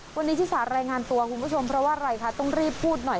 วันนี้ชิสารายงานตัวคุณผู้ชมเพราะว่าอะไรคะต้องรีบพูดหน่อย